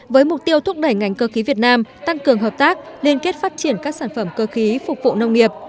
với mục tiêu thúc đẩy ngành cơ khí việt nam tăng cường hợp tác liên kết phát triển các sản phẩm cơ khí phục vụ nông nghiệp